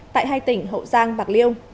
tại hai tỉnh hậu giang và bạc liêu